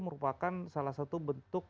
merupakan salah satu bentuk